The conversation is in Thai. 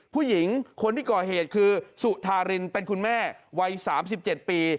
ผู้หญิงคนที่ก่อเหตุคือสุธารินเป็นคุณแม่วัย๓๗ปี